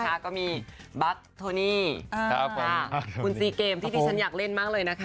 ก็มีบัตรโทนี่คุณซีเกมที่ที่ฉันอยากเล่นมากเลยนะคะ